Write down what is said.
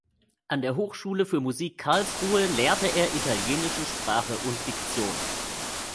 An der Hochschule für Musik Karlsruhe lehrte er italienische Sprache und Diktion.